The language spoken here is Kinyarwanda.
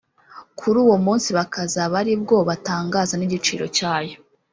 kuri uwo munsi bakazaba ari bwo batangaza ni igiciro cyayo